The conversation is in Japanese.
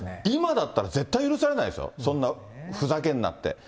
今だったら絶対許されないですよ、そんな、ふざけんなって。